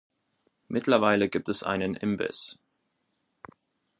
Mittlerweile gibt es einen Imbiss.